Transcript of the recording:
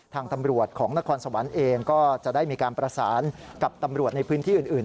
ทางตำรวจของนครสวรรค์เองก็จะได้มีการประสานกับตำรวจในพื้นที่อื่น